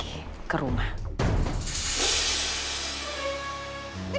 nih udah rel mahner